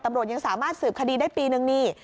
ตำรวจยังสามารถสืบคดีได้ปีนึงนี่